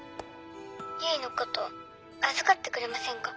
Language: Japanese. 唯のこと預かってくれませんか？